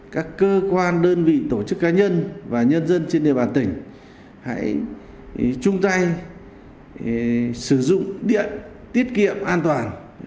các cơ quan đơn vị tổ chức cá nhân và nhân dân trên địa bàn tỉnh hãy chung tay sử dụng điện tiết kiệm an toàn